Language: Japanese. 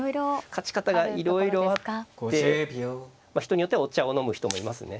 勝ち方がいろいろあって人によってはお茶を飲む人もいますね。